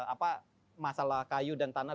apa masalah kayu dan tanah